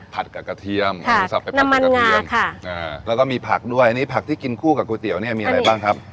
ผัดกับกระเทียมหมูสับผัดกับกระเทียมค่ะน้ำมันงาค่ะแล้วก็มีผักด้วยอันนี้ผักที่กินคู่กับก๋วยเตี๋ยวเนี่ยมีอะไรบ้างครับ